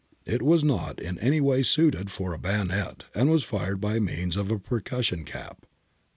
It was not in any way suited for a bayonet and was fired by means of a percus sion cap.'